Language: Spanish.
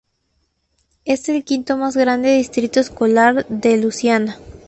Es el quinto más grande distrito escolar de Luisiana.